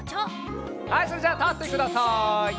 はいそれじゃあたってください！